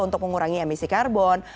untuk mengurangi emisi karbon